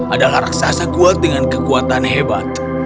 adalah raksasa kuat dengan kekuatan hebat